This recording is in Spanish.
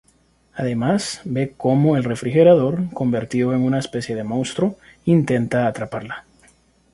Además, ve cómo el refrigerador, convertido en una especie de monstruo, intenta atraparla.